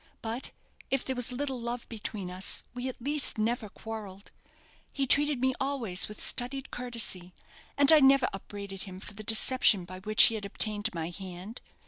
But if there was little love between us, we at least never quarrelled. He treated me always with studied courtesy, and I never upbraided him for the deception by which he had obtained my hand.